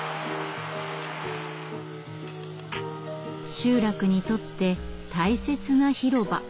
集落にとって大切な広場。